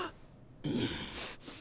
うん。